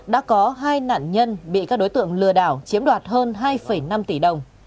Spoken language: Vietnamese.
đã có hai nạn nhân bị các đối tượng lừa đảo chiếm đoạt hơn hai năm tỷ đồng